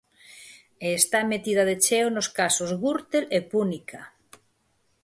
E está metida de cheo nos casos Gürtel e Púnica.